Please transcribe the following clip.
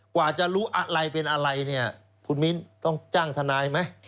กว่าจะรู้อะไรเป็นอะไรเนี่ยคุณมิ้นต้องจ้างทนายไหม